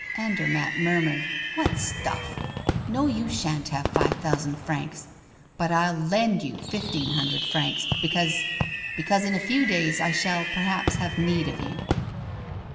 Andermatt murmured: "What stuff! No, you sha'n't have five thousand francs, but I'll lend you fifteen hundred francs, because because in a few days I shall, perhaps, have need of you."